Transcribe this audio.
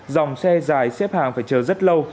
dòng xe dài xếp hàng phải chờ rất lâu